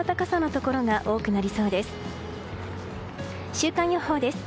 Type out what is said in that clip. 週間予報です。